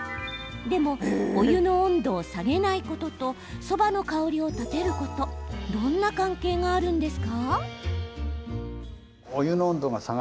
でも、お湯の温度を下げないこととそばの香りを立てることどんな関係があるんですか？